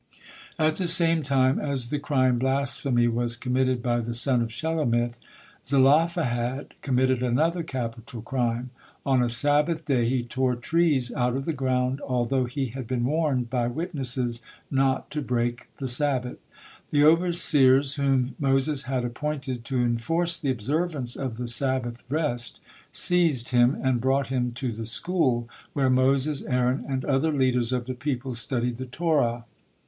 At the same time as the crime blasphemy was committed by the son of Shelomith, Zelophehad committed another capital crime. On a Sabbath day he tore trees out of the ground although he had been warned by witnesses not to break the Sabbath. The overseers whom Moses had appointed to enforce the observance of the Sabbath rest seized him and brought him to the school, where Moses, Aaron, and other leaders of the people studied the Torah.